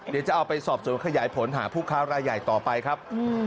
เดี๋ยวจะเอาไปสอบสวนขยายผลหาผู้ค้ารายใหญ่ต่อไปครับ